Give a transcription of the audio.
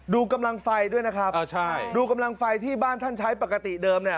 ดูกำลังไฟด้วยนะครับอ่าใช่ดูกำลังไฟที่บ้านท่านใช้ปกติเดิมเนี่ย